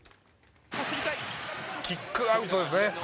キックアウトですね。